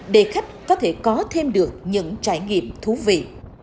để khách có thể có thêm được những trải nghiệm thú vị